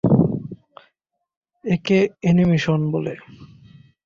একে "এলিমিনেশন" বলে।